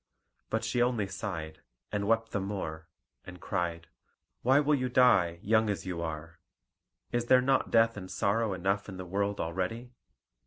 But she only sighed, and wept the more, and cried: "Why will you die, young as you are? Is there not death and sorrow enough in the world already?